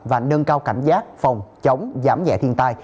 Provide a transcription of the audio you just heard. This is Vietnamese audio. và nâng cao cảnh giác phòng chống giảm nhẹ thiên tai